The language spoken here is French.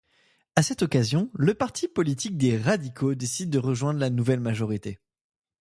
À cette occasion, le Parti politique des radicaux décide de rejoindre la nouvelle majorité.